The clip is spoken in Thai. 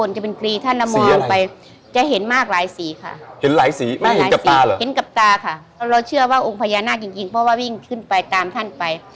เราเชื่อว่าองค์พญานาคจริงเพราะว่าวิ่งขึ้นไปตามท่านไป